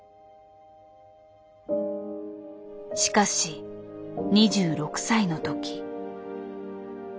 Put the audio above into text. しかし２６歳の時。